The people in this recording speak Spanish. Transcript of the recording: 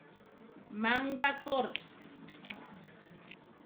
Manga Corps".